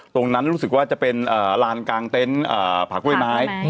รู้สึกว่าจะเป็นลานกลางเต็นต์ผักกล้วยไม้